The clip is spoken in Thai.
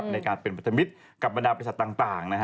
ในการเป็นพัฒนิษฐ์กับบรรดาประชาติต่าง